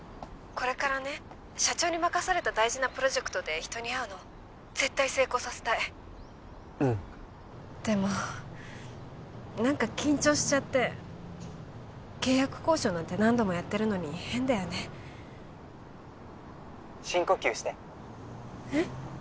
☎これからね社長に任された大事なプロジェクトで人に会うの☎絶対成功させたいうんでも何か緊張しちゃって契約交渉なんて何度もやってるのに変だよね☎深呼吸してえっ？